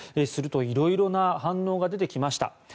すると、いろいろな反応が出てきました。